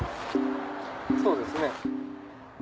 そうですね。